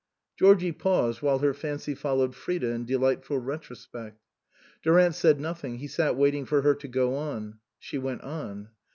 Georgie paused while her fancy followed Frida in delightful retrospect. Durant said nothing, he sat waiting for her to go on. She went on.